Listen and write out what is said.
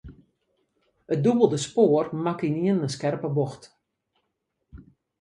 It dûbelde spoar makke ynienen in skerpe bocht.